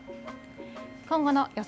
今後の予想